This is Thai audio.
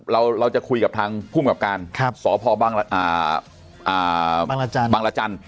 เราเราจะคุยกับทางภูมิกราบการครับสอบพอบางอ่าอ่าบางละจันทร์บางละจันทร์